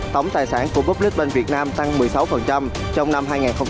tổng tài sản của public bank việt nam tăng một mươi sáu trong năm hai nghìn hai mươi một